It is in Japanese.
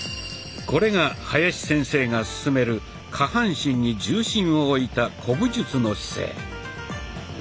これが林先生が勧める下半身に重心を置いた古武術の姿勢。